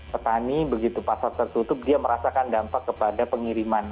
petani begitu pasar tertutup dia merasakan dampak kepada pengiriman